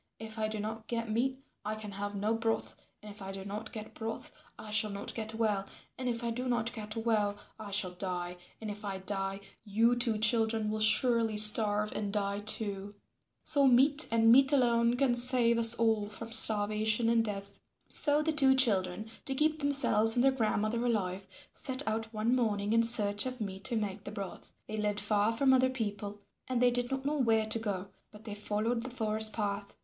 If I do not get meat I can have no broth, and if I do not get broth I shall not get well, and if I do not get well I shall die, and if I die you two children will surely starve and die too. So meat and meat alone can save us all from starvation and death." So the two children, to keep themselves and their grandmother alive, set out one morning in search of meat to make the broth. They lived far from other people and they did not know where to go, but they followed the forest path.